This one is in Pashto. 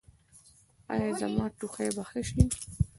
ایا زما ټوخی به ښه شي؟